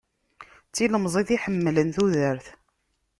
D tilemẓit iḥemmlen tudert.